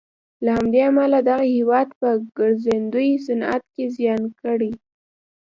له همدې امله دغه هېواد په ګرځندوی صنعت کې زیان کړی.